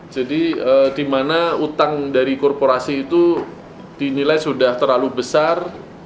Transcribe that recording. jadi dimana utang dari korporasi itu dinilai sudah terlalu besar